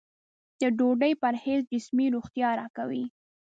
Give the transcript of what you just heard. د ډوډۍ پرهېز جسمي روغتیا راکوي.